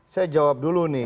saya jawab dulu nih